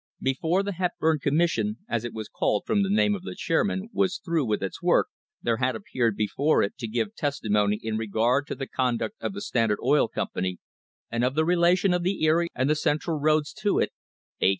Before the Hepburn Commission, as it was called from the name of the chairman, was through with its work there had appeared before it to give testimony in regard to the conduct of the Standard Oil Company and of the relation of the Erie and the Central roads to it, H.